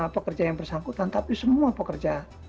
pekerja yang bersangkutan tapi semua pekerja